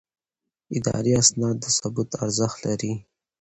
اداري اسناد د ثبوت ارزښت لري.